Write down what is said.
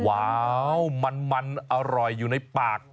ว้าวมันอร่อยอยู่ในปาก